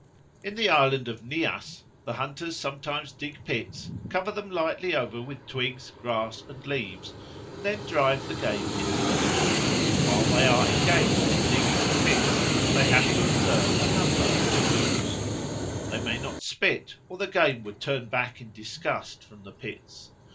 In the island of Nias the hunters sometimes dig pits, cover them lightly over with twigs, grass, and leaves, and then drive the game into them. While they are engaged in digging the pits, they have to observe a number of taboos. They may not spit, or the game would turn back in disgust from the pits.